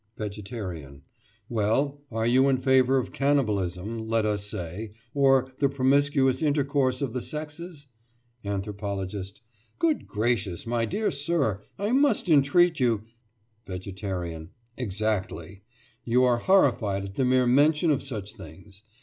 VEGETARIAN: Well, are you in favour of cannibalism, let us say, or the promiscuous intercourse of the sexes? ANTHROPOLOGIST: Good gracious, my dear sir! I must entreat you—— VEGETARIAN: Exactly! You are horrified at the mere mention of such things.